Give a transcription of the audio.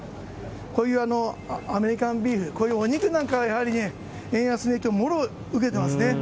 こういうアメリカンビーフ、こういうお肉なんかはやはり円安の影響をもろに受けてますね。